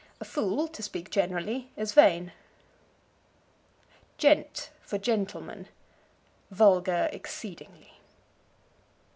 A fool, to speak generally, is vain. Gent for Gentleman. Vulgar exceedingly.